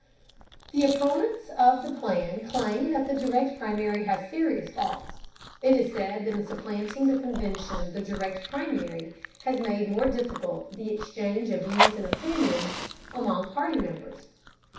The opponents of the plan claim that the Direct Primary has serious faults. It is said that in supplanting the convention the Direct Primary has made more difficult the exchange of views and opinions among party members.